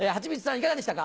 いかがでしたか？